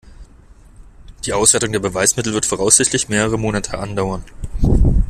Die Auswertung der Beweismittel wird voraussichtlich mehrere Monate andauern.